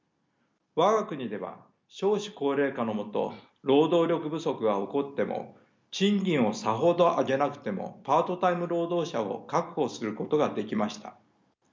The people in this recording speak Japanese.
我が国では少子高齢化のもと労働力不足が起こっても賃金をさほど上げなくてもパートタイム労働者を確保することができました。